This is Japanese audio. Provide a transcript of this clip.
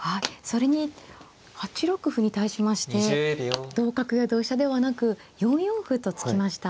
それに８六歩に対しまして同角や同飛車ではなく４四歩と突きました。